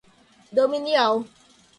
dominial